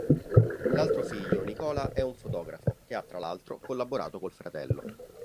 L'altro figlio, Nicola, è un fotografo che ha tra l'altro collaborato col fratello.